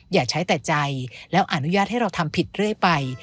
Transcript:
อย่าใช้แต่ใจแล้วอนุญาตให้เราทำผิดเรื่อยไป